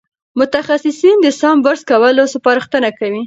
متخصصین د سم برس کولو سپارښتنه کوي.